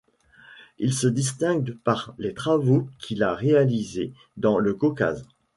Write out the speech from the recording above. Il se distingue par les travaux qu'il a réalisé dans le Caucase.